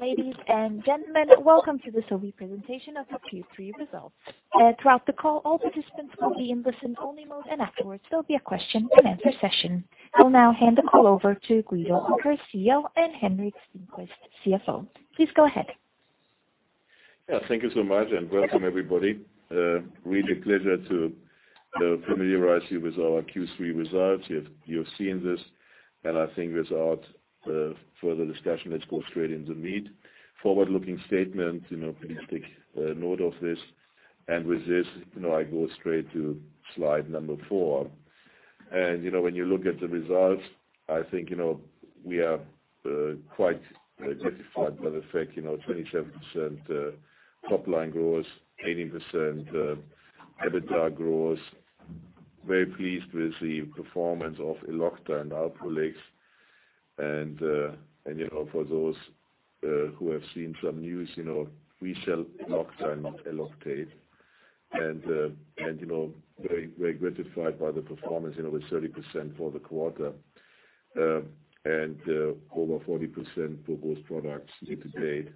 Ladies and gentlemen, welcome to the Sobi presentation of the Q3 results. Throughout the call, all participants will be in listen-only mode. Afterwards, there will be a question-and-answer session. I'll now hand the call over to Guido Oelkers, CEO, and Henrik Stenqvist, CFO. Please go ahead. Yeah, thank you so much. Welcome everybody. Really a pleasure to familiarize you with our Q3 results. You have seen this, and I think without further discussion, let's go straight into meat. Forward-looking statement, please take note of this. With this, I go straight to slide number four. When you look at the results, I think we are quite gratified by the fact, 27% top-line growth, 18% EBITDA growth. Very pleased with the performance of Elocta and Alprolix. For those who have seen some news, we sell Elocta and Eloctate. Very gratified by the performance with 30% for the quarter and over 40% for both products year to date,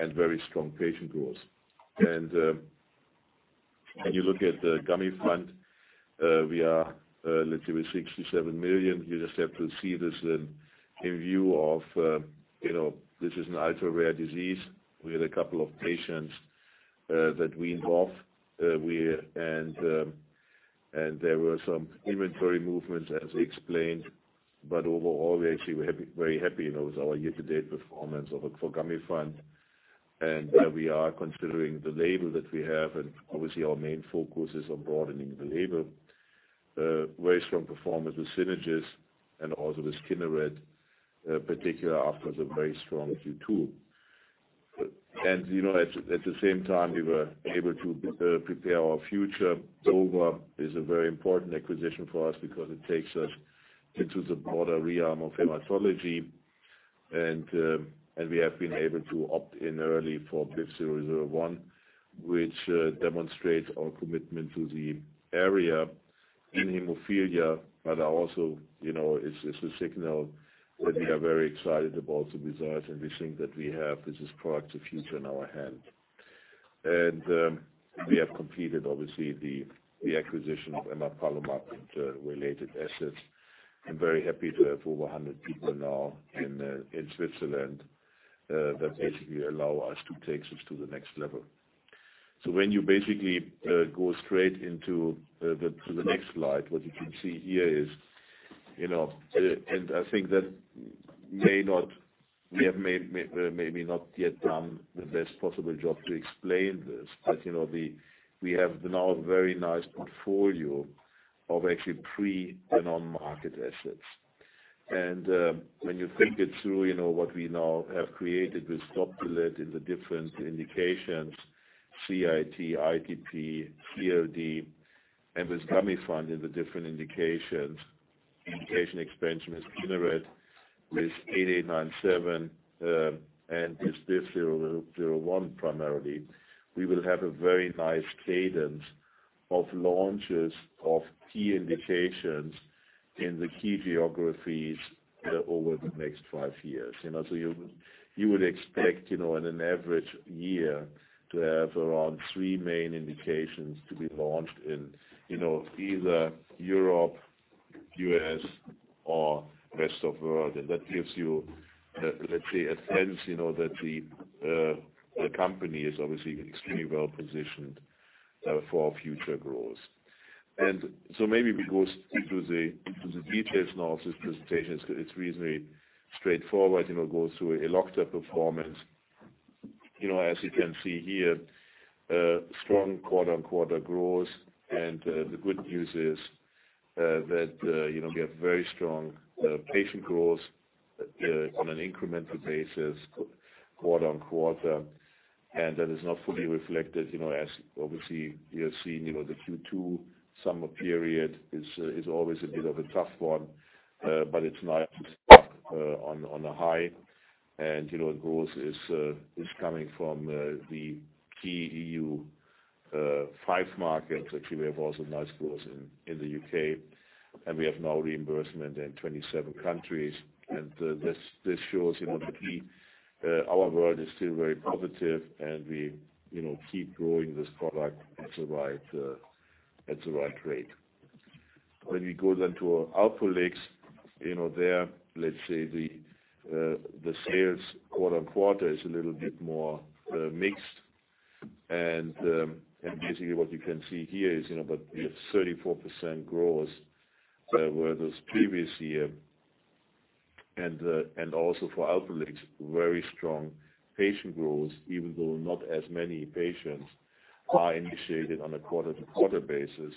and very strong patient growth. When you look at Gamifant, we are literally 67 million. You just have to see this in view of this is an ultra-rare disease. We had a couple of patients that we involved. There were some inventory movements, as explained, but overall, we actually were very happy with our year-to-date performance for Gamifant. We are considering the label that we have, and obviously our main focus is on broadening the label. Very strong performance with Synagis and also with Kineret, particular after the very strong Q2. At the same time, we were able to prepare our future. Dova is a very important acquisition for us because it takes us into the broader realm of hematology. We have been able to opt in early for BIVV001, which demonstrates our commitment to the area in hemophilia. Also, it's a signal that we are very excited about the results and the things that we have. This is product, the future in our hand. We have completed, obviously, the acquisition of emapalumab and related assets, very happy to have over 100 people now in Switzerland that basically allow us to take this to the next level. When you basically go straight into the next slide, what you can see here is. I think that we have maybe not yet done the best possible job to explain this. We have now a very nice portfolio of actually pre- and on-market assets. When you think it through, what we now have created with Doptelet in the different indications, CIT, ITP, CLD, and with Gamifant in the different indications, patient expansion with Kineret, with MEDI8897, and with BIVV001 primarily. We will have a very nice cadence of launches of key indications in the key geographies over the next five years. You would expect, in an average year, to have around three main indications to be launched in either Europe, U.S., or rest of world. That gives you, let's say, a sense that the company is obviously extremely well-positioned for future growth. Maybe we go into the details now of this presentation, because it's reasonably straightforward. Go through Elocta performance. As you can see here, strong quarter-on-quarter growth. The good news is that we have very strong patient growth on an incremental basis quarter-on-quarter, and that is not fully reflected as obviously you have seen, the Q2 summer period is always a bit of a tough one. It's now on a high, and growth is coming from the key EU 5 markets. Actually, we have also nice growth in the U.K., and we have now reimbursement in 27 countries. This shows the key, our world is still very positive, and we keep growing this product at the right rate. When we go to Alprolix, there, let's say the sales quarter-on-quarter is a little bit more mixed. Basically what you can see here is, we have 34% growth over this previous year. Also for Alprolix, very strong patient growth, even though not as many patients are initiated on a quarter-to-quarter basis.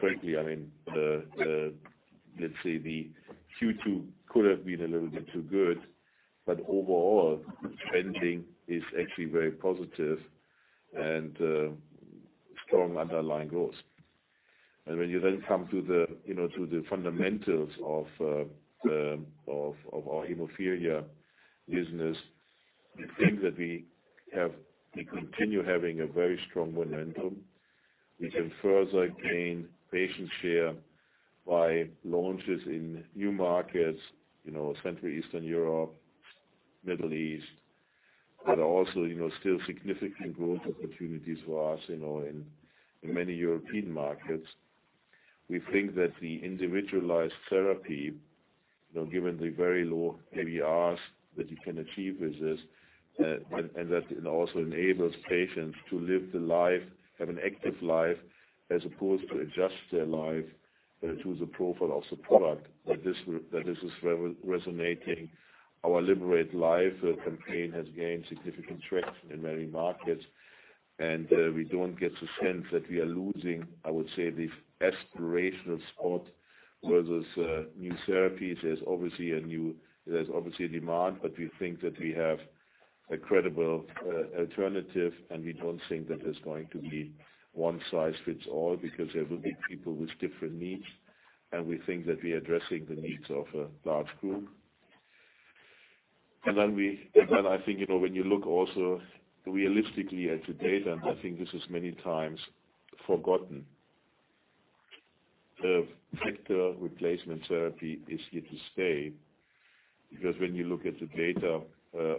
Frankly, let's say the Q2 could have been a little bit too good, but overall, trending is actually very positive and strong underlying growth. When you come to the fundamentals of our hemophilia business, the things that we continue having a very strong momentum. We can further gain patient share by launches in new markets, Central Eastern Europe, Middle East, but also still significant growth opportunities for us in many European markets. We think that the individualized therapy, given the very low ABRs that you can achieve with this, and that it also enables patients to live the life, have an active life, as opposed to adjust their life to the profile of the product, that this is resonating. Our Liberate Life campaign has gained significant traction in many markets, and we don't get the sense that we are losing, I would say, the aspirational spot versus new therapies. There's obviously a demand, but we think that we have a credible alternative, and we don't think that it's going to be one size fits all, because there will be people with different needs. We think that we're addressing the needs of a large group. I think, when you look also realistically at the data, and I think this is many times forgotten, factor replacement therapy is here to stay. When you look at the data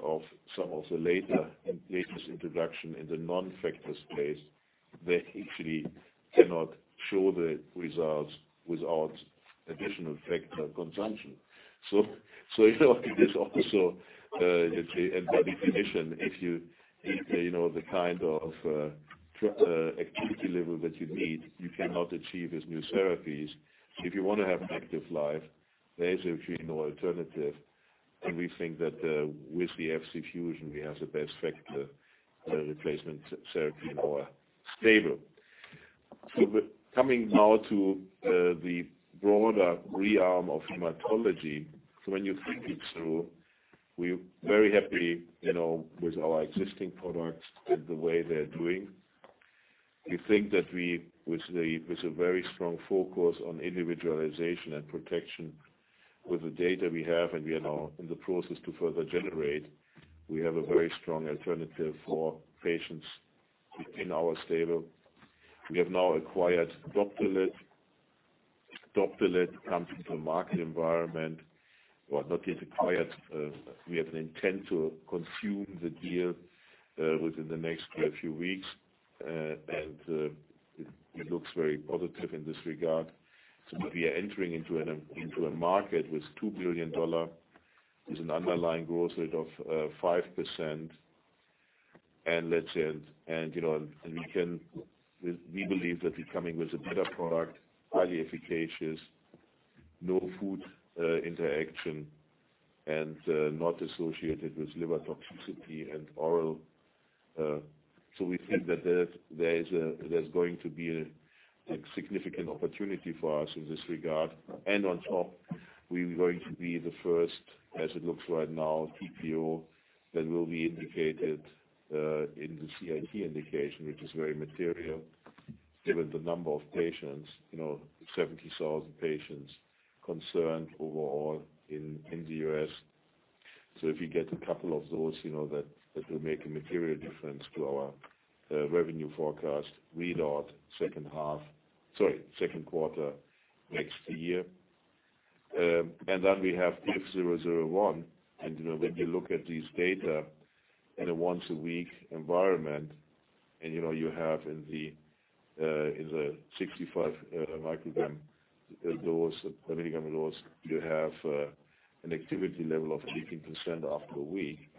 of some of the latest introduction in the non-factor space, they actually cannot show the results without additional factor consumption. It is also, and by definition, if the kind of activity level that you need, you cannot achieve with new therapies. If you want to have an active life, there is actually no alternative. We think that with the Fc fusion, we have the best factor replacement therapy in our stable. Coming now to the broader realm of hematology. When you think it through, we're very happy with our existing products and the way they're doing. We think that with a very strong focus on individualization and protection with the data we have and we are now in the process to further generate, we have a very strong alternative for patients in our stable. We have now acquired Doptelet. Doptelet comes with a market environment. Well, not yet acquired. We have an intent to consume the deal within the next quite few weeks. It looks very positive in this regard. We are entering into a market with SEK 2 billion, with an underlying growth rate of 5%. We believe that we're coming with a better product, highly efficacious, no food interaction, and not associated with liver toxicity and oral. We think that there's going to be a significant opportunity for us in this regard. On top, we're going to be the first, as it looks right now, TPO that will be indicated in the ITP indication, which is very material given the number of patients, 70,000 patients concerned overall in the U.S. If you get a couple of those, that will make a material difference to our revenue forecast read out second quarter next year. Then we have BIVV001, when you look at this data in a once-a-week environment, you have in the 65 milligram dose, you have an activity level of 15% after a week.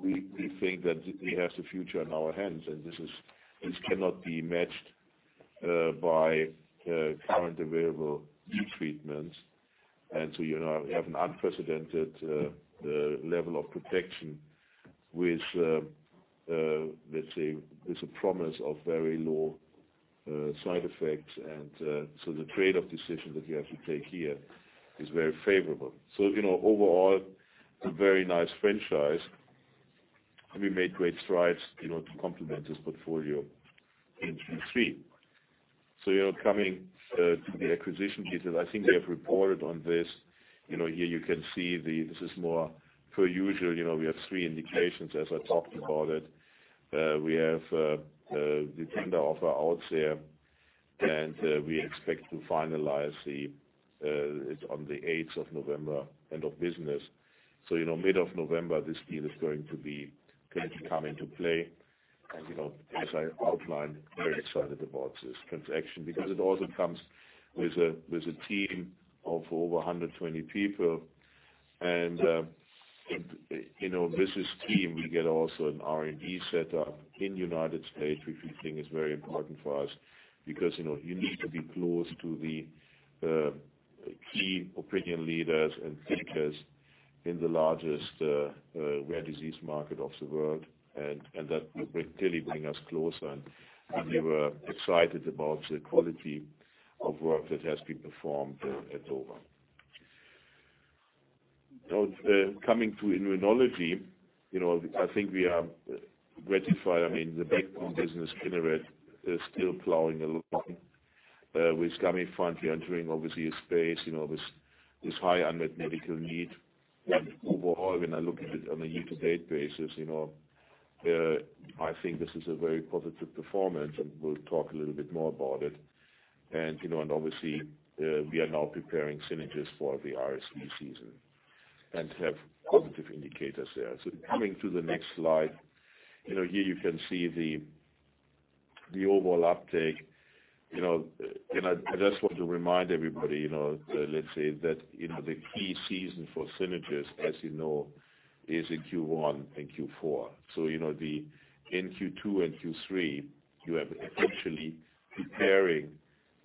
We think that we have the future in our hands and this cannot be matched by current available treatments. We have an unprecedented level of protection with, let's say, with the promise of very low side effects. The trade-off decision that you have to take here is very favorable. Overall, a very nice franchise, and we made great strides to complement this portfolio in Q3. Coming to the acquisition pieces, I think we have reported on this. Here you can see this is more per usual. We have three indications as I talked about it. We have the tender offer out there. We expect to finalize it on the 8th of November, end of business. Mid of November, this deal is going to come into play. As I outlined, very excited about this transaction because it also comes with a team of over 120 people. With this team, we get also an R&D set up in U.S., which we think is very important for us because you need to be close to the key opinion leaders and thinkers in the largest rare disease market of the world. That will clearly bring us closer, and we were excited about the quality of work that has been performed at Dova. Now, coming to immunology. I think we are gratified. The backbone business, Kineret, is still plowing along. With Gamifant entering obviously a space, this high unmet medical need. Overall, when I look at it on a year to date basis, I think this is a very positive performance, and we'll talk a little bit more about it. Obviously, we are now preparing Synagis for the RSV season and have positive indicators there. Coming to the next slide. Here you can see the overall uptake. I just want to remind everybody, let's say that, the key season for Synagis, as you know, is in Q1 and Q4. In Q2 and Q3, you have essentially preparing,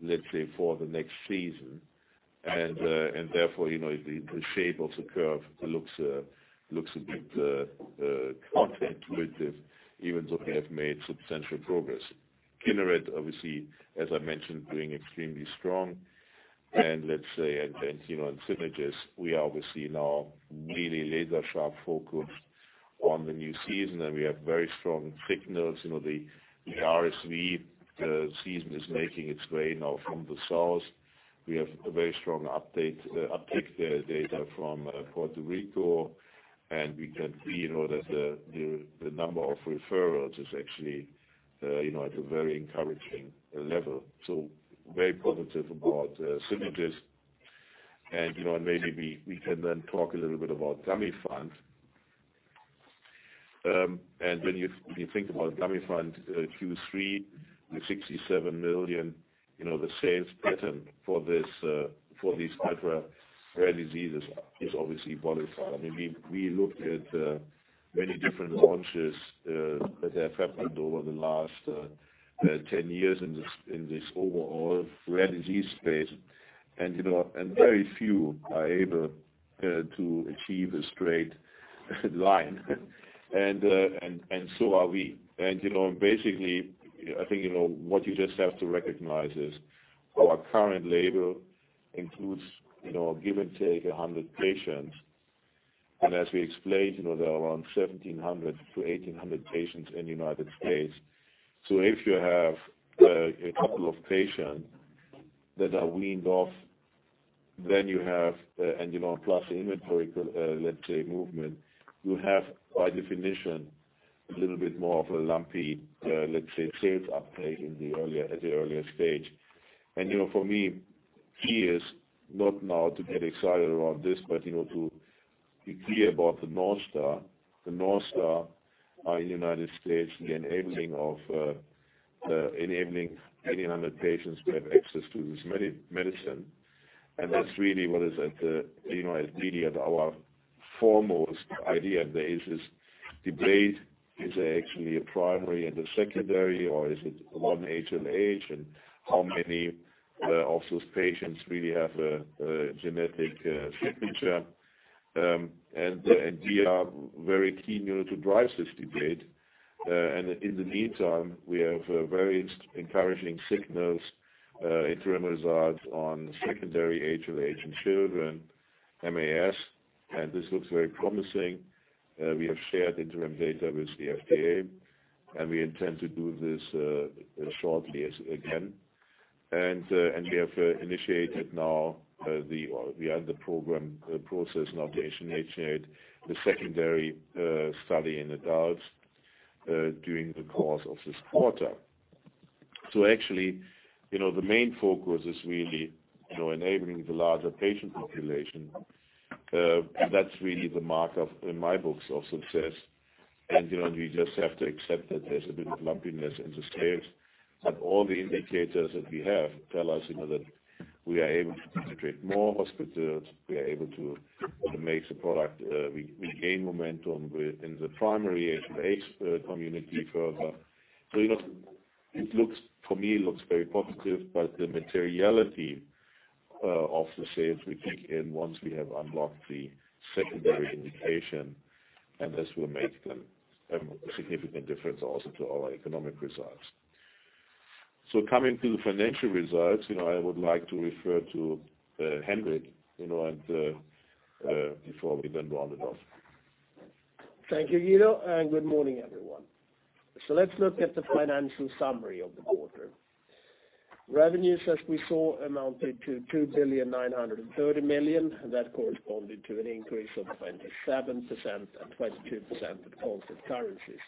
let's say, for the next season and therefore, the shape of the curve looks a bit counterintuitive, even though we have made substantial progress. Kineret, obviously, as I mentioned, doing extremely strong. Let's say, and Synagis, we are obviously now really laser sharp focused on the new season, and we have very strong signals. The RSV season is making its way now from the source. We have a very strong uptake data from Puerto Rico, and we can see that the number of referrals is actually at a very encouraging level. Very positive about Synagis. Maybe we can then talk a little bit about Gamifant. When you think about Gamifant Q3, the 67 million, the sales pattern for these hyper-rare diseases is obviously volatile. We looked at many different launches that have happened over the last 10 years in this overall rare disease space. Very few are able to achieve a straight line. So are we. I think what you just have to recognize is our current label includes, give and take, 100 patients. As we explained, there are around 1,700 to 1,800 patients in the United States. If you have a couple of patients that are weaned off, plus the inventory, let's say movement, you have, by definition, a little bit more of a lumpy, let's say, sales update at the earlier stage. For me, key is not now to get excited about this, but to be clear about the North Star. The North Star are in the U.S., the enabling 1,800 patients to have access to this medicine. That's really what is at the lead of our foremost idea there is this debate, is there actually a primary and a secondary, or is it one etiology, and how many of those patients really have a genetic signature? We are very keen to drive this debate. In the meantime, we have very encouraging signals, interim results on secondary HLH and children, MAS, and this looks very promising. We have shared interim data with the FDA. We intend to do this shortly again. We have the program process now to initiate the secondary study in adults during the course of this quarter. Actually, the main focus is really enabling the larger patient population. That's really the mark, in my books, of success. We just have to accept that there's a bit of lumpiness in the sales, but all the indicators that we have tell us that we are able to penetrate more hospitals, we are able to make the product, we gain momentum within the primary HLH community further. It looks, for me, looks very positive, but the materiality of the sales will kick in once we have unlocked the secondary indication, and this will make a significant difference also to our economic results. Coming to the financial results, I would like to refer to Henrik before we then round it off. Thank you, Guido. Good morning, everyone. Let's look at the financial summary of the quarter. Revenues, as we saw, amounted to 2,930 million. That corresponded to an increase of 27% and 22% with constant currencies.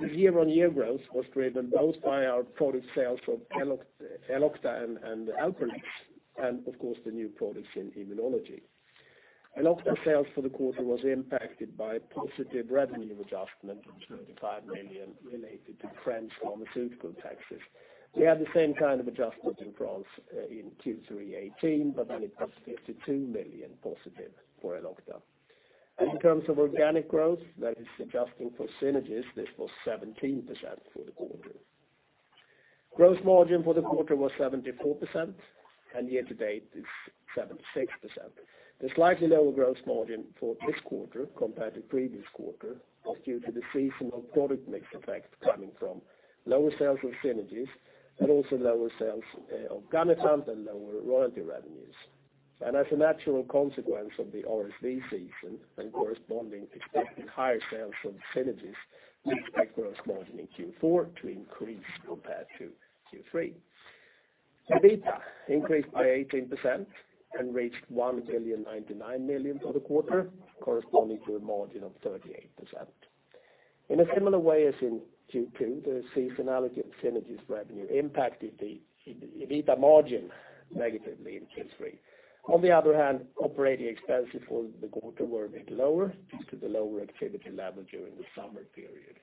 The year-on-year growth was driven both by our product sales from Elocta and Alprolix, of course, the new products in immunology. Elocta sales for the quarter was impacted by positive revenue adjustment of 35 million related to French pharmaceutical taxes. We had the same kind of adjustment in France in Q3 2018, then it was 52 million positive for Elocta. In terms of organic growth, that is adjusting for synergies, this was 17% for the quarter. Gross margin for the quarter was 74%, year-to-date is 76%. The slightly lower gross margin for this quarter compared to previous quarter was due to the seasonal product mix effect coming from lower sales of Synagis, also lower sales of Gamifant and lower royalty revenues. As a natural consequence of the RSV season and corresponding expecting higher sales of Synagis, we expect our margin in Q4 to increase compared to Q3. The EBITDA increased by 18% and reached 1.099 billion for the quarter, corresponding to a margin of 38%. In a similar way as in Q2, the seasonality of Synagis revenue impacted the EBITDA margin negatively in Q3. On the other hand, operating expenses for the quarter were a bit lower due to the lower activity level during the summer period.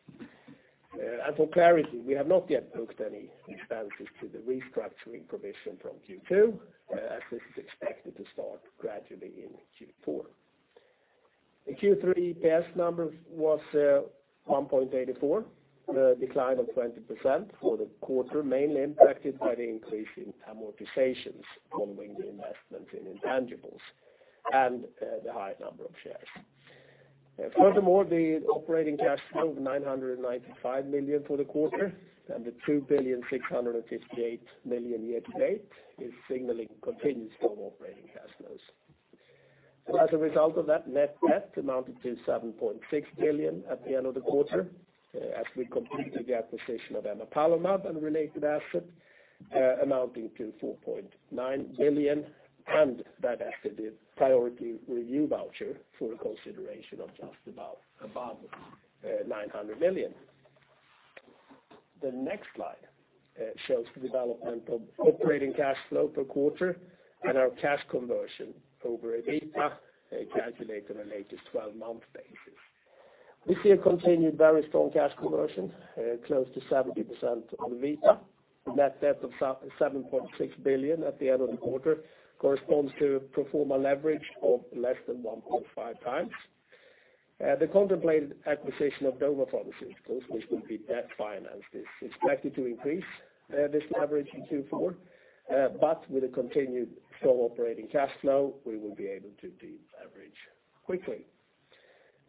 For clarity, we have not yet booked any expenses to the restructuring provision from Q2, as this is expected to start gradually in Q4. The Q3 EPS number was 1.84, a decline of 20% for the quarter, mainly impacted by the increase in amortizations following the investment in intangibles and the high number of shares. The operating cash flow of 995 million for the quarter and 2,658 million year-to-date is signaling continued strong operating cash flows. As a result of that, net debt amounted to 7.6 billion at the end of the quarter, as we completed the acquisition of emapalumab and related asset amounting to 4.9 billion, and that asset is priority review voucher for a consideration of just above 900 million. The next slide shows the development of operating cash flow per quarter and our cash conversion over EBITDA, calculated on a 12-month basis. We see a continued very strong cash conversion, close to 70% on EBITDA. The net debt of 7.6 billion at the end of the quarter corresponds to pro forma leverage of less than 1.5 times. The contemplated acquisition of Dova Pharmaceuticals, which will be debt financed, is expected to increase this leverage in Q4. With a continued strong operating cash flow, we will be able to deleverage quickly.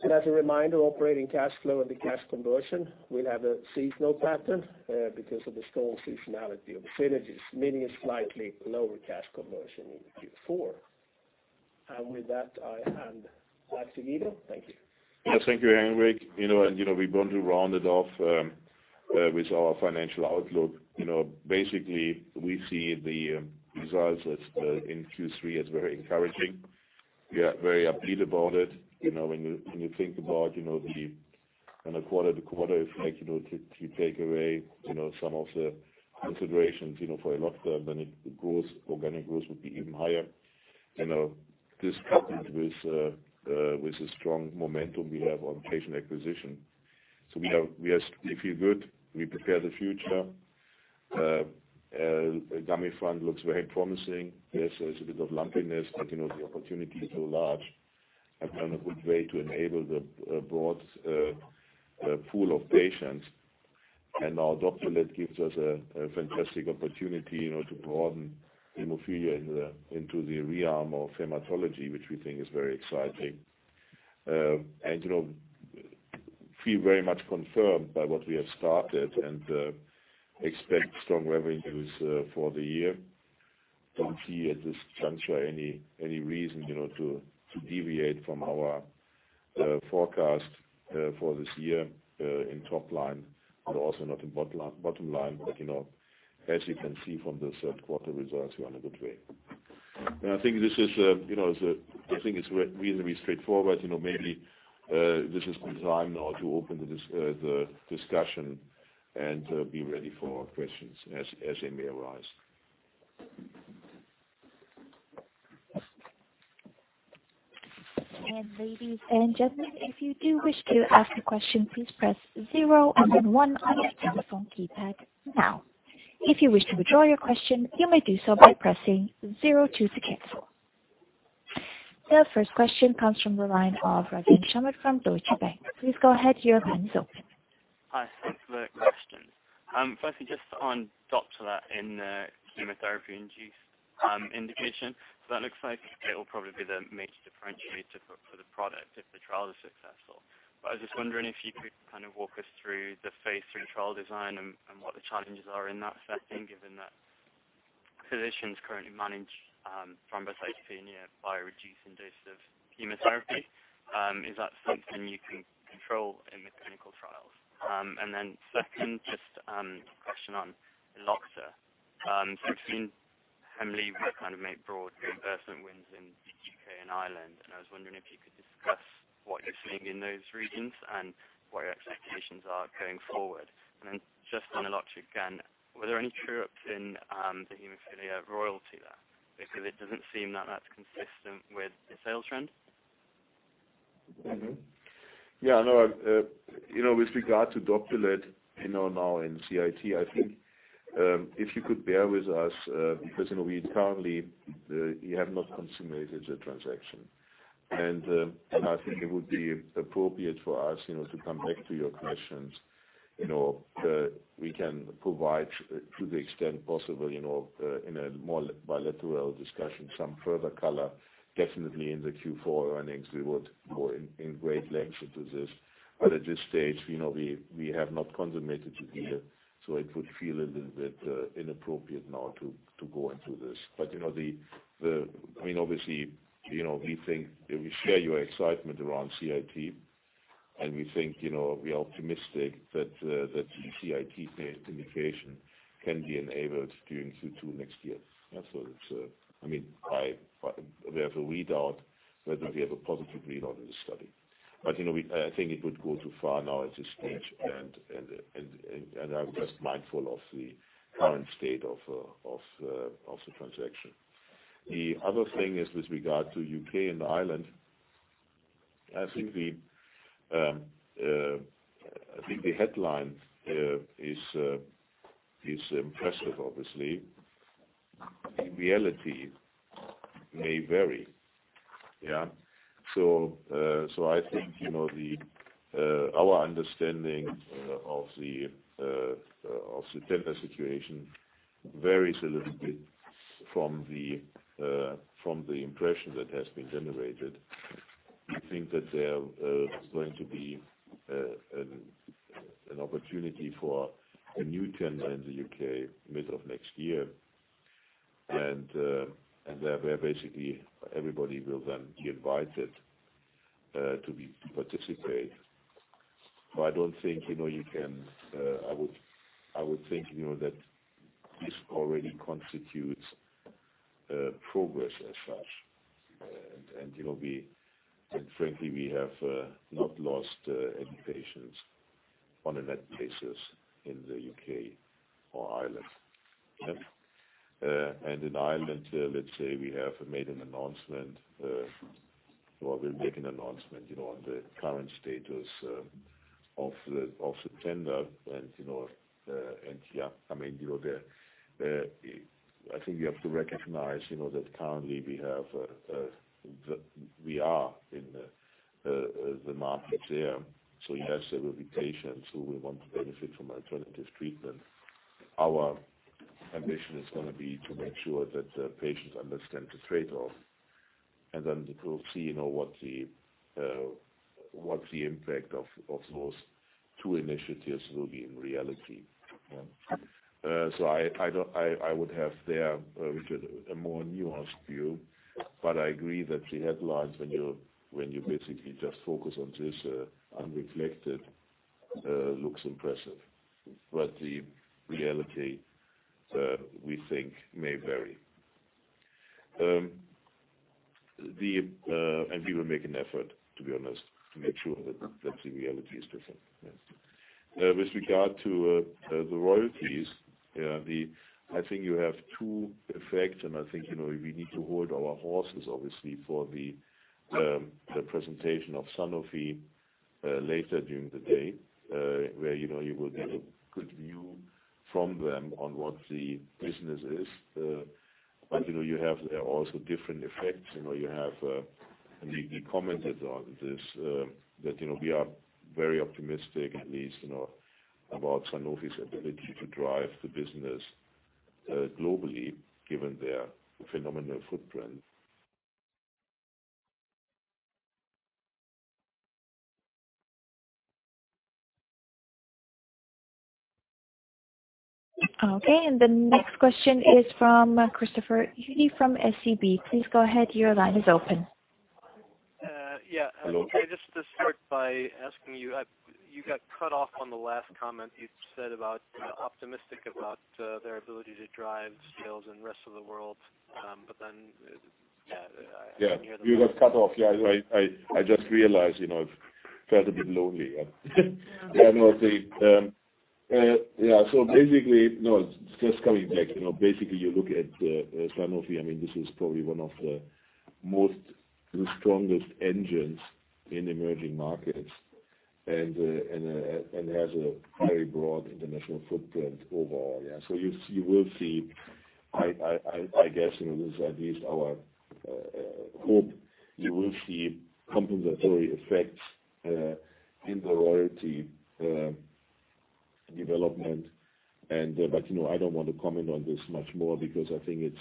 As a reminder, operating cash flow and the cash conversion will have a seasonal pattern because of the strong seasonality of synergies, meaning a slightly lower cash conversion in Q4. With that, I hand back to Guido. Thank you. Yes, thank you, Henrik. We want to round it off with our financial outlook. Basically, we see the results in Q3 as very encouraging. We are very upbeat about it. When you think about the quarter to quarter effect, to take away some of the considerations for Elocta, the organic growth would be even higher. This coupled with the strong momentum we have on patient acquisition. We feel good. We prepare the future. Gamifant looks very promising. Yes, there's a bit of lumpiness, but the opportunity is so large and a good way to enable the broad pool of patients. Our Doptelet gives us a fantastic opportunity to broaden hemophilia into the realm of hematology, which we think is very exciting. Feel very much confirmed by what we have started and expect strong revenues for the year. Don't see at this juncture any reason to deviate from our forecast for this year in top line, but also not in bottom line. As you can see from the third quarter results, we're on a good way. I think it's reasonably straightforward. Maybe this is the time now to open the discussion and be ready for questions as they may arise. Ladies and gentlemen, if you do wish to ask a question, please press zero and then one on your telephone keypad now. If you wish to withdraw your question, you may do so by pressing zero to cancel. The first question comes from the line of Richard Schumacher from Deutsche Bank. Please go ahead, your line is open. Hi, thanks for the questions. Firstly, just on Doptelet in the chemotherapy-induced indication. That looks like it'll probably be the major differentiator for the product if the trial is successful. I was just wondering if you could kind of walk us through the phase III trial design and what the challenges are in that setting, given that physicians currently manage thrombocytopenia by reducing doses of chemotherapy. Is that something you can control in the clinical trials? Second, just question on Elocta. We've seen HEMLIBRA make broad reimbursement wins in the U.K. and Ireland, and I was wondering if you could discuss what you're seeing in those regions and what your expectations are going forward. Just on Elocta again, were there any true-ups in the hemophilia royalty there? It doesn't seem that's consistent with the sales trend. Mm-hmm. Yeah, with regard to Doptelet now in CIT, I think if you could bear with us, because we currently have not consummated the transaction. I think it would be appropriate for us to come back to your questions, that we can provide to the extent possible in a more bilateral discussion some further color. Definitely in the Q4 earnings we would go in great length into this. At this stage, we have not consummated the deal, so it would feel a little bit inappropriate now to go into this. Obviously, we share your excitement around CIT, and we are optimistic that CIT-based indication can be enabled during Q2 next year. We have a readout, whether we have a positive readout in the study. I think it would go too far now at this stage, and I'm just mindful of the current state of the transaction. The other thing is with regard to U.K. and Ireland. I think the headline is impressive, obviously. The reality may vary. Yeah. I think our understanding of the tender situation varies a little bit from the impression that has been generated. We think that there's going to be an opportunity for a new tender in the U.K., mid of next year, and where basically everybody will then be invited to participate. I would think that this already constitutes progress as such. Frankly, we have not lost any patients on a net basis in the U.K. or Ireland. In Ireland, let's say we have made an announcement, or will make an announcement, on the current status of the tender. I think we have to recognize that currently, we are in the market there, so you have several patients who will want to benefit from alternative treatment. Our ambition is going to be to make sure that patients understand the trade-off, and then we will see what the impact of those two initiatives will be in reality. I would have there a more nuanced view, but I agree that the headlines, when you basically just focus on this unreflected, looks impressive. The reality, we think may vary. We will make an effort, to be honest, to make sure that the reality is different, yes. With regard to the royalties, I think you have two effects, and I think, we need to hold our horses, obviously, for the presentation of Sanofi later during the day, where you will get a good view from them on what the business is. You have also different effects. We commented on this, that we are very optimistic at least, about Sanofi's ability to drive the business globally given their phenomenal footprint. Okay. The next question is from Christopher Uhde from SEB. Please go ahead. Your line is open. Yeah. Hello. Just to start by asking you got cut off on the last comment you said about optimistic about their ability to drive sales in rest of the world. Yeah, I didn't hear the. Yeah. You got cut off. Yeah, I just realized. Felt a bit lonely. Yeah. Basically, no, just coming back. Basically, you look at Sanofi, this is probably one of the most, the strongest engines in emerging markets and has a very broad international footprint overall. Yeah. You will see, I guess this is at least our hope, you will see complementary effects in the royalty development. I don't want to comment on this much more because I think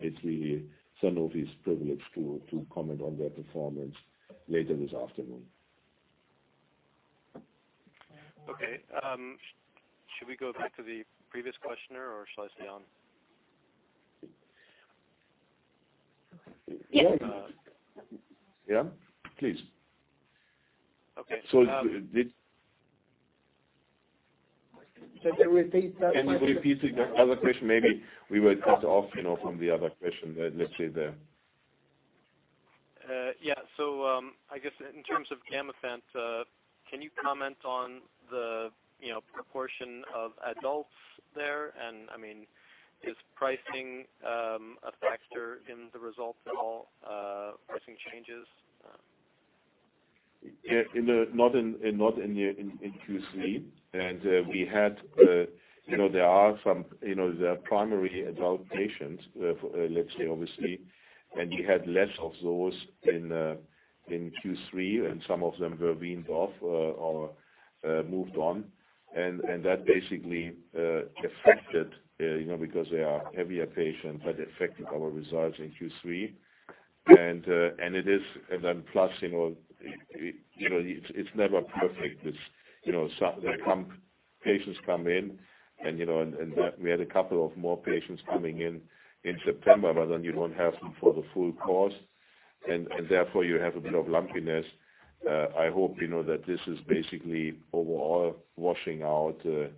it's really Sanofi's privilege to comment on their performance later this afternoon. Okay. Should we go back to the previous questioner, or shall I stay on? Yeah. Yeah, please. Okay. So did- Could you repeat that question? Can you repeat the other question maybe? We were cut off from the other question, let's say the. Yeah. I guess in terms of Gamifant, can you comment on the proportion of adults there, and is pricing a factor in the results at all, pricing changes? Not in Q3. There are primary adult patients, let's say obviously. We had less of those in Q3, and some of them were weaned off or moved on. That basically affected, because they are heavier patients, our results in Q3. Plus, it's never perfect. Patients come in, and we had a couple of more patients coming in in September. You don't have them for the full course, and therefore you have a bit of lumpiness. I hope that this is basically overall washing out in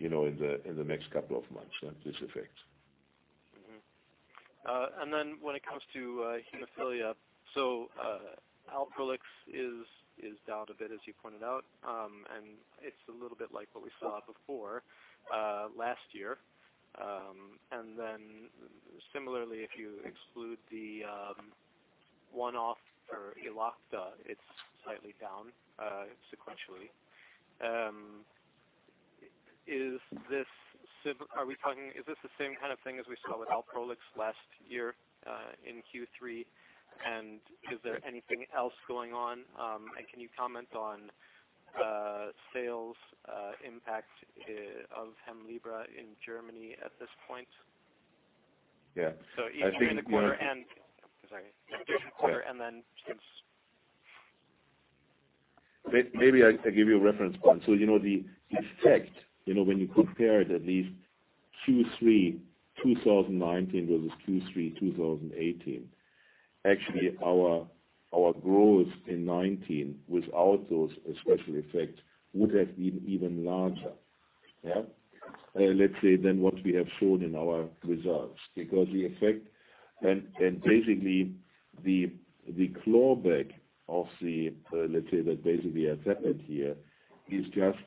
the next couple of months, this effect. Mm-hmm. When it comes to hemophilia, Alprolix is down a bit, as you pointed out. It's a little bit like what we saw before last year. Similarly, if you exclude the one-off for Elocta, it's slightly down sequentially. Is this the same kind of thing as we saw with Alprolix last year in Q3, and is there anything else going on? Can you comment on sales impact of HEMLIBRA in Germany at this point? Yeah. Year in the quarter and Sorry. Yeah. Year in quarter and then just. Maybe I give you a reference point. The effect, when you compare it at least Q3 2019 versus Q3 2018, actually our growth in 2019 without those special effects would have been even larger. Yeah. Let's say than what we have shown in our results. The effect and basically the clawback of the, let's say that basically has happened here, is just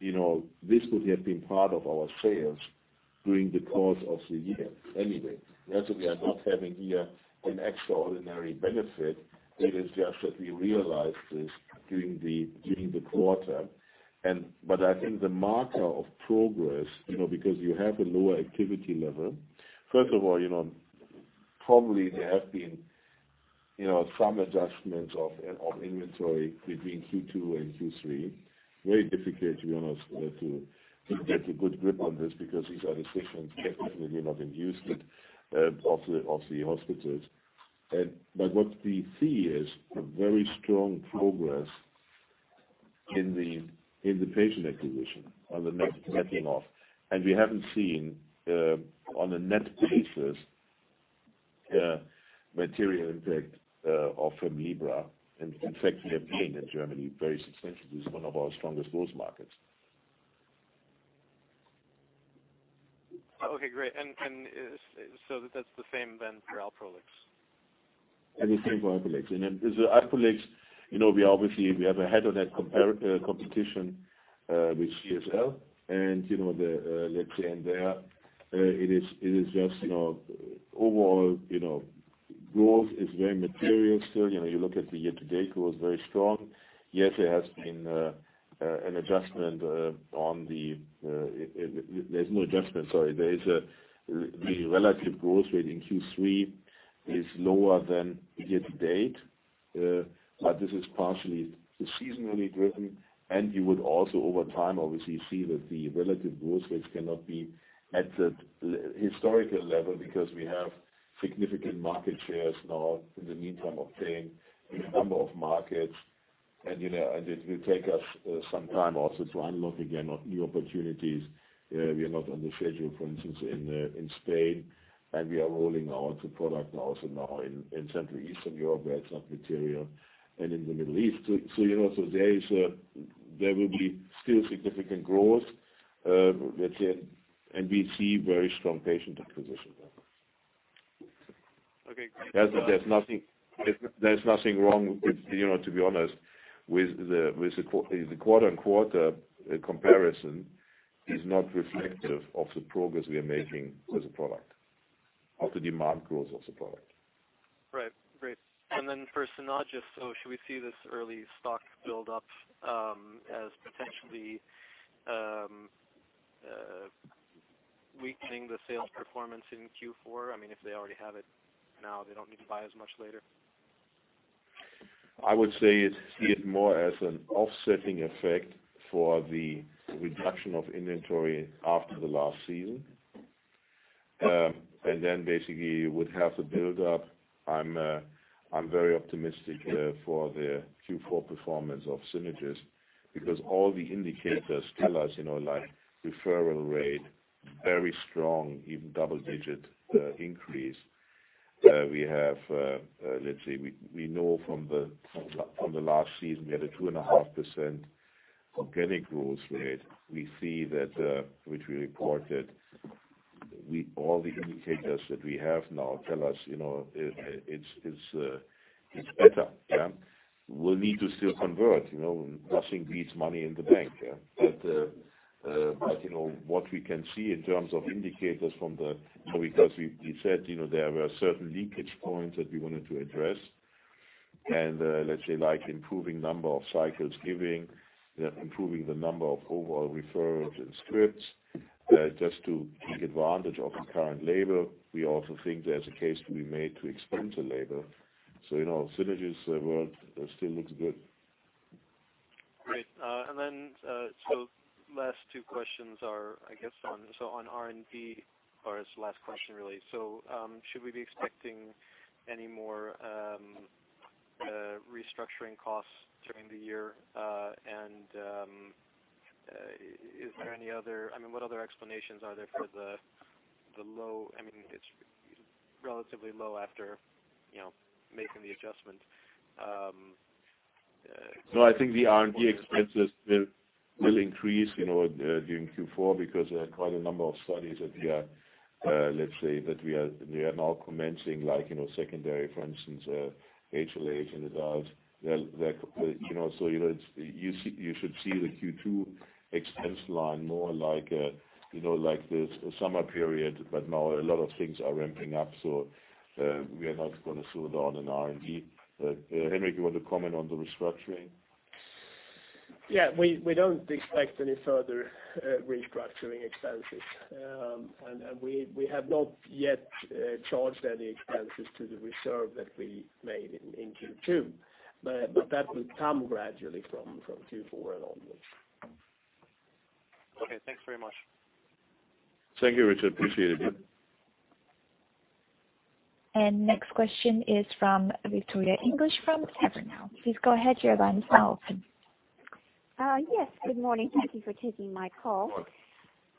this would have been part of our sales during the course of the year anyway. We are not having here an extraordinary benefit. It is just that we realized this during the quarter. I think the marker of progress, because you have a lower activity level, first of all, probably there have been some adjustments of inventory between Q2 and Q3. Very difficult, to be honest, to get a good grip on this because these are decisions definitely not in use of the hospitals. What we see is a very strong progress in the patient acquisition on the netting off. We haven't seen, on a net basis, material impact of HEMLIBRA. In fact, we have been in Germany very successfully. This is one of our strongest growth markets. Okay, great. That's the same for Alprolix. The same for Alprolix. Then Alprolix, we obviously we have a head of that competition with CSL. Let's say in there it is just overall growth is very material still. You look at the year-to-date growth, very strong. Yes, there has been an adjustment on the There's no adjustment, sorry. The relative growth rate in Q3 is lower than year-to-date. This is partially seasonally driven, and you would also over time obviously see that the relative growth rates cannot be at the historical level because we have significant market shares now in the meantime obtained in a number of markets. It will take us some time also to unlock again new opportunities. We are not on the schedule, for instance, in Spain, and we are rolling out the product also now in Central Eastern Europe where it's not material and in the Middle East. There will be still significant growth, let's say, and we see very strong patient acquisition there. Okay, great. There's nothing wrong with, to be honest, with the quarter-on-quarter comparison is not reflective of the progress we are making as a product, of the demand growth of the product. Right. Great. For Synagis, should we see this early stock build-up as potentially weakening the sales performance in Q4? If they already have it now, they do not need to buy as much later. I would say see it more as an offsetting effect for the reduction of inventory after the last season. Basically you would have the build-up. I'm very optimistic for the Q4 performance of Synagis because all the indicators tell us, like referral rate, very strong, even double-digit increase. We know from the last season we had a 2.5% organic growth rate. We see that, which we reported, all the indicators that we have now tell us it's better. Yeah. We'll need to still convert. Nothing beats money in the bank, yeah. What we can see in terms of indicators Because we said there were certain leakage points that we wanted to address and like improving number of cycles given, improving the number of overall referrals and scripts, just to take advantage of the current label. We also think there's a case to be made to expand the label. Synagis world still looks good. Great. Last two questions are on R&D, or it's the last question, really. Should we be expecting any more restructuring costs during the year? What other explanations are there for the low? It's relatively low after making the adjustment. I think the R&D expenses will increase during Q4 because there are quite a number of studies that we are now commencing, like secondary, for instance, HLA in adults. You should see the Q2 expense line more like the summer period, but now a lot of things are ramping up, so we are not going to slow down on R&D. Henrik, you want to comment on the restructuring? We don't expect any further restructuring expenses. We have not yet charged any expenses to the reserve that we made in Q2. That will come gradually from Q4 and onwards. Okay, thanks very much. Thank you, Richard. Appreciate it. Next question is from Victoria English from Evercore. Please go ahead. Your line is now open. Yes, good morning. Thank you for taking my call. Of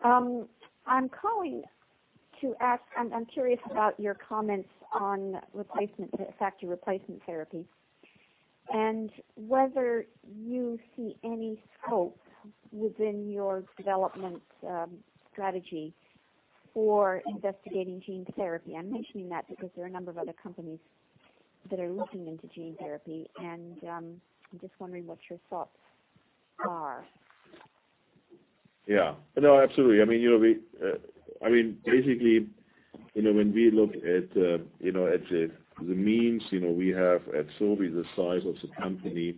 course. I'm curious about your comments on factor replacement therapy and whether you see any scope within your development strategy for investigating gene therapy. I'm mentioning that because there are a number of other companies that are looking into gene therapy, and I'm just wondering what your thoughts are. Yeah. No, absolutely. Basically, when we look at the means we have at Sobi, the size of the company,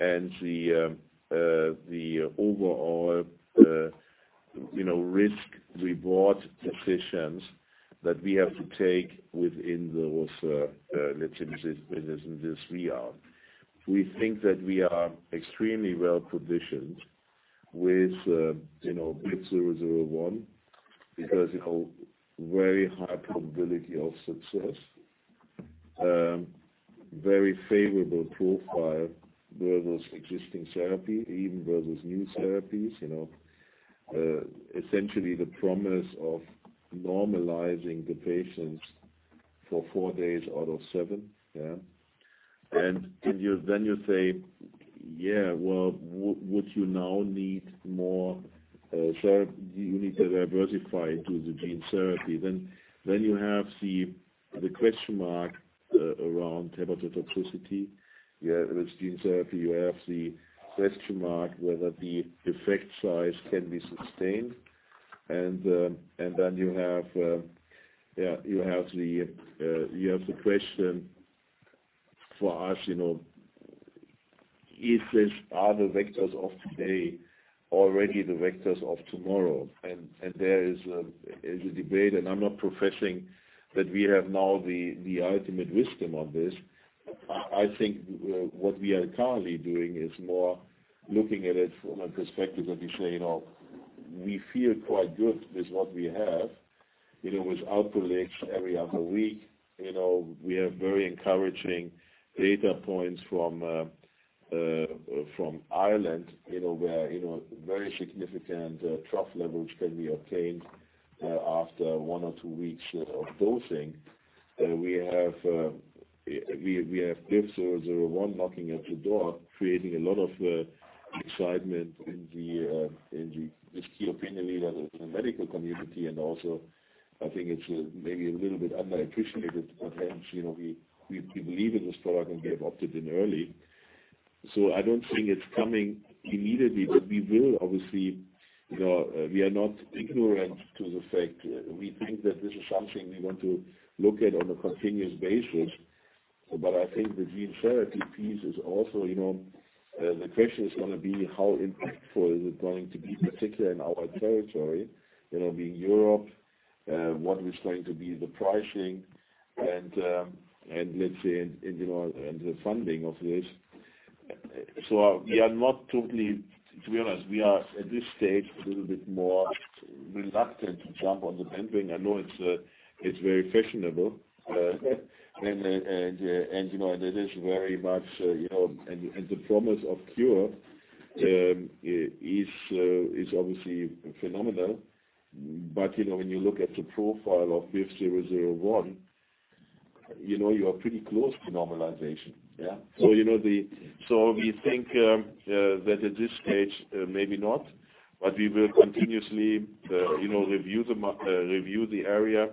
and the overall risk-reward decisions that we have to take within those, let's say, business in this realm. We think that we are extremely well-positioned with BIVV001 because, very high probability of success, very favorable profile versus existing therapy, even versus new therapies. Essentially the promise of normalizing the patients for four days out of seven. Yeah. You say, "Yeah, well, would you now need to diversify into the gene therapy?" You have the question mark around hepatotoxicity. With gene therapy, you have the question mark whether the effect size can be sustained. You have the question for us, are the vectors of today already the vectors of tomorrow? There is a debate, and I'm not professing that we have now the ultimate wisdom on this. I think what we are currently doing is more looking at it from a perspective that we say, we feel quite good with what we have. With output rates every other week, we have very encouraging data points from Ireland, where very significant trough levels can be obtained after one or two weeks of dosing. We have BIVV001 knocking at the door, creating a lot of excitement in the key opinion leaders in the medical community, and also, I think it's maybe a little bit underappreciated, but hence, we believe in this product, and we have opted in early. I don't think it's coming immediately, but we are not ignorant to the fact. We think that this is something we want to look at on a continuous basis. I think the gene therapy piece is also, the question is going to be how impactful is it going to be, particularly in our territory being Europe, what is going to be the pricing and let's say, and the funding of this. We are not totally, to be honest, we are at this stage a little bit more reluctant to jump on the bandwagon. I know it's very fashionable. The promise of cure is obviously phenomenal. When you look at the profile of BIVV001, you are pretty close to normalization, yeah? We think that at this stage, maybe not, but we will continuously review the area.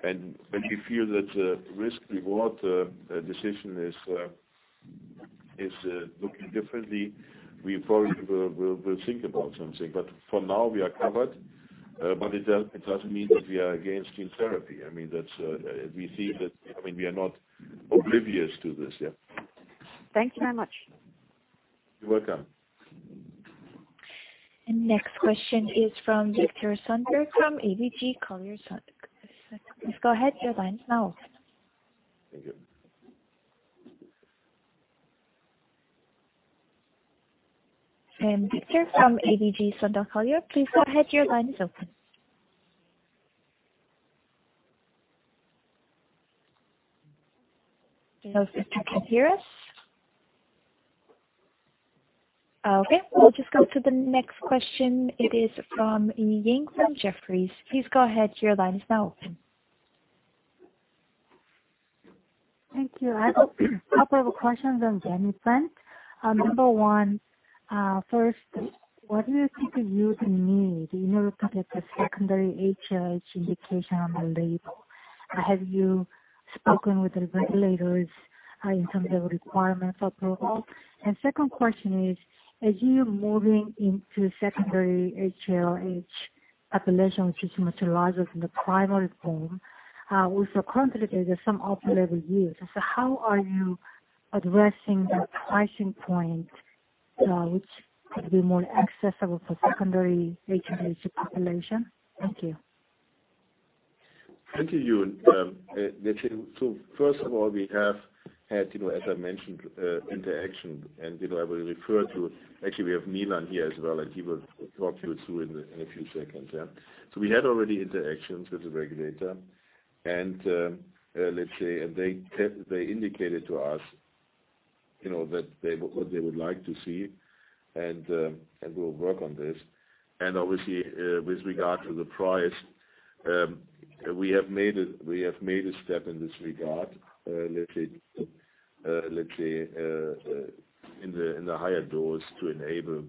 When we feel that the risk-reward decision is looking differently, we probably will think about something. For now, we are covered. It doesn't mean that we are against gene therapy. We are not oblivious to this, yeah. Thank you very much. You're welcome. Next question is from Viktor Sundberg from ABG Sundal Collier. Please go ahead, your line is now open. Thank you. Viktor from ABG Sundal Collier, please go ahead, your line is open. Still Viktor can hear us? Okay, we will just go to the next question. It is from [Yun Ying] from Jefferies. Please go ahead, your line is now open. Thank you. I have a couple of questions on HEMLIBRA. Number one, first, what do you think you would need in order to get the secondary HLH indication on the label? Have you spoken with the regulators in terms of requirements or protocol? Second question is, as you're moving into secondary HLH population which materializes in the primary form, we saw currently there's some off-label use. How are you addressing the pricing point, which could be more accessible for secondary HLH population? Thank you. Thank you, Yun. First of all, we have had, as I mentioned interaction, and I will refer to, actually, we have Milan here as well, and he will talk you through in a few seconds. We had already interactions with the regulator and they indicated to us what they would like to see, and we'll work on this. Obviously, with regard to the price, we have made a step in this regard. In the higher doses to enable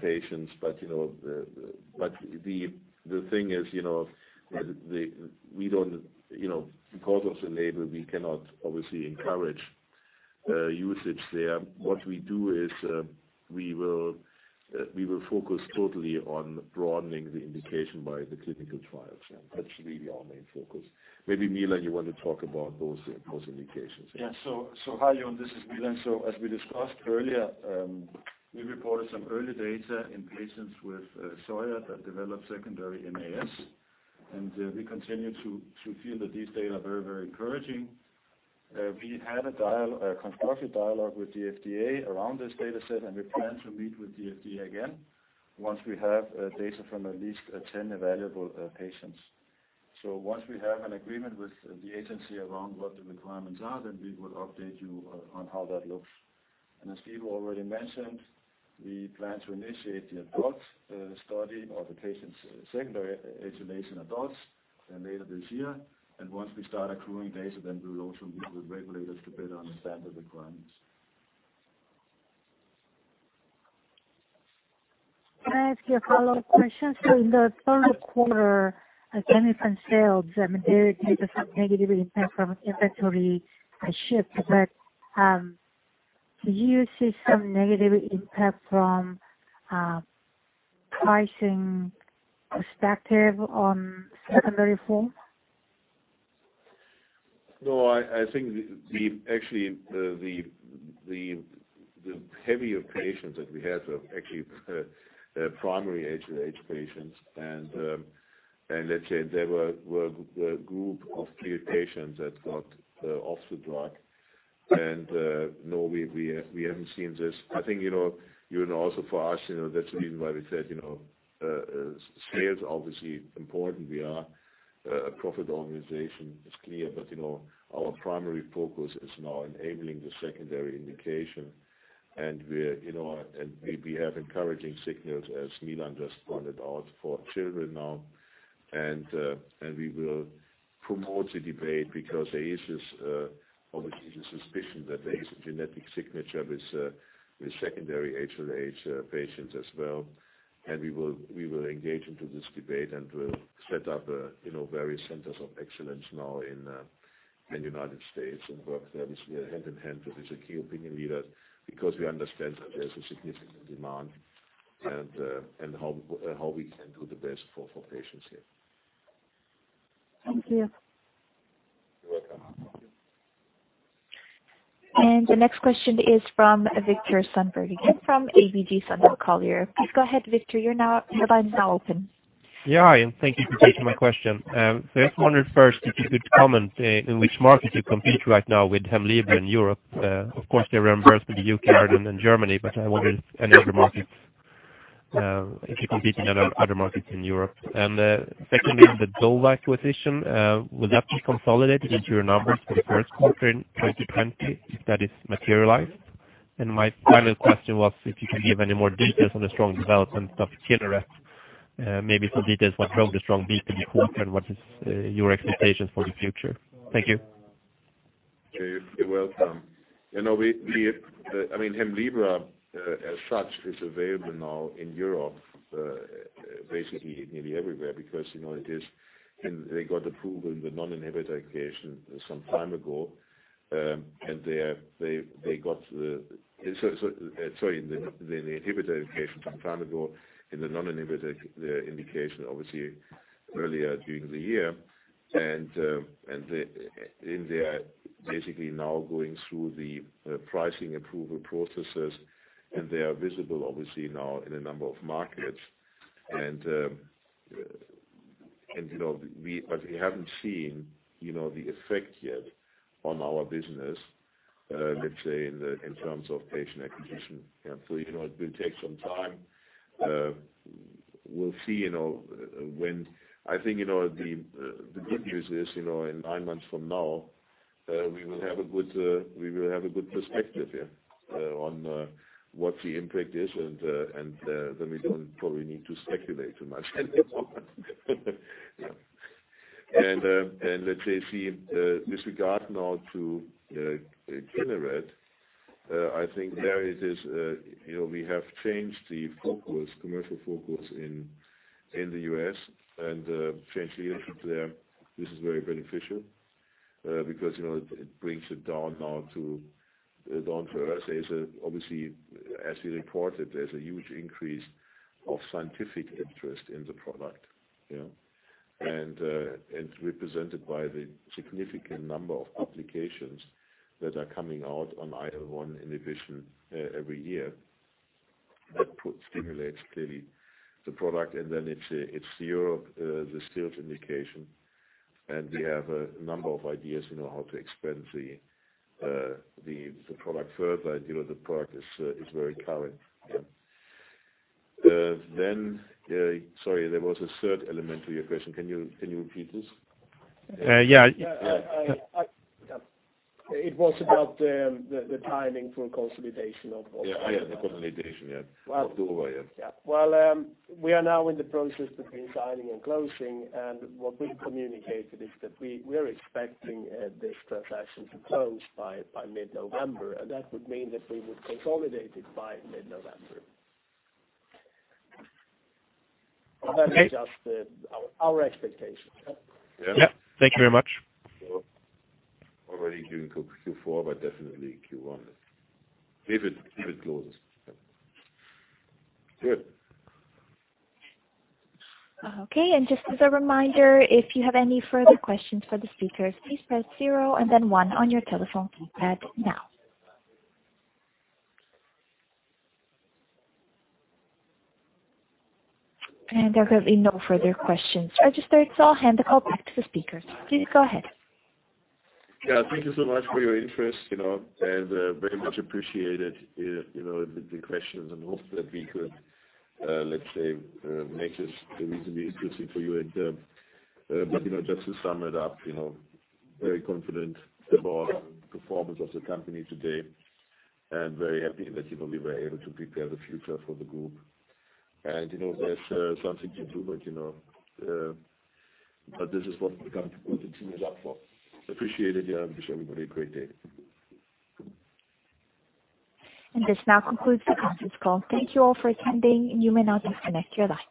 patients. The thing is, because of the label, we cannot obviously encourage usage there. What we do is we will focus totally on broadening the indication by the clinical trials. That's really our main focus. Maybe Milan, you want to talk about those indications. Hi, Yun, this is Milan. As we discussed earlier, we reported some early data in patients with SJIA that developed secondary MAS, and we continue to feel that these data are very encouraging. We had a constructive dialogue with the FDA around this data set, and we plan to meet with the FDA again once we have data from at least 10 evaluable patients. Once we have an agreement with the agency around what the requirements are, then we will update you on how that looks. As Guido already mentioned, we plan to initiate the adult study or the patient's secondary HLH in adults later this year. Once we start accruing data, then we will also meet with regulators to better understand the requirements. Can I ask you a follow-up question? In the third quarter Gamifant sales, I mean, there is some negative impact from inventory shifts. Do you see some negative impact from pricing perspective on secondary form? No, I think actually the heavier patients that we have are actually the primary HLH patients. Let's say there were the group of three patients that got off the drug. No, we haven't seen this. I think, even also for us, that's the reason why we said sales are obviously important. We are a profit organization, it's clear. Our primary focus is now enabling the secondary indication and we have encouraging signals, as Milan just pointed out for children now. We will promote the debate because there is obviously the suspicion that there is a genetic signature with secondary HLH patients as well. We will engage into this debate and we'll set up various centers of excellence now in the U.S. and work there hand in hand with the key opinion leaders because we understand that there's a significant demand and how we can do the best for patients here. Thank you. You're welcome. The next question is from Viktor Sundberg again from ABG Sundal Collier. Please go ahead, Viktor. Your line is now open. Hi, thank you for taking my question. I just wondered first if you could comment in which markets you compete right now with HEMLIBRA in Europe. Of course, they reimbursed in the U.K. and in Germany, but I wonder if you compete in other markets in Europe. Secondly, the Dova acquisition, will that be consolidated into your numbers for the first quarter in 2020, if that is materialized? My final question was if you could give any more details on the strong development of Kineret, maybe some details what drove the strong V2 before and what is your expectations for the future? Thank you. You're welcome. I mean, HEMLIBRA as such is available now in Europe basically nearly everywhere because they got approved in the non-inhibitor indication some time ago and they got the Sorry, in the inhibitor indication some time ago, in the non-inhibitor indication obviously earlier during the year. They are basically now going through the pricing approval processes and they are visible obviously now in a number of markets. We haven't seen the effect yet on our business, let's say, in terms of patient acquisition. It will take some time. We'll see. I think, the good news is, in nine months from now, we will have a good perspective here on what the impact is and then we don't probably need to speculate too much anymore. Let's say, with regard now to Kineret, I think there we have changed the commercial focus in the U.S. and changed leadership there. This is very beneficial because it brings it down now. Down for us, obviously, as we reported, there's a huge increase of scientific interest in the product. It's represented by the significant number of publications that are coming out on IL-1 inhibition every year. That stimulates clearly the product. It's Europe, the SJIA indication. We have a number of ideas how to expand the product further. The product is very current. Sorry, there was a third element to your question. Can you repeat this? Yeah. It was about the timing for consolidation. Yeah, the consolidation. Yeah. Of Dova, yeah. Well, we are now in the process between signing and closing, and what we've communicated is that we are expecting this transaction to close by mid-November, and that would mean that we would consolidate it by mid-November. Okay. That is just our expectation. Yeah. Yep. Thank you very much. Already during Q4, but definitely Q1. If it closes. Good. Okay, just as a reminder, if you have any further questions for the speakers, please press zero and then 1 on your telephone keypad now. There are currently no further questions. Operator, I'll hand the call back to the speakers. Please go ahead. Yeah, thank you so much for your interest, and very much appreciated the questions and hope that we could, let's say, make this reasonably interesting for you. Just to sum it up, very confident about performance of the company today and very happy that we were able to prepare the future for the group. There's something to do, but this is what the team is up for. Appreciate it and wish everybody a great day. This now concludes the conference call. Thank you all for attending and you may now disconnect your lines.